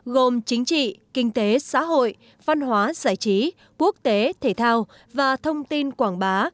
gồm chính trị kinh tế xã hội văn hóa giải trí quốc tế thể thao và thông tin quảng bá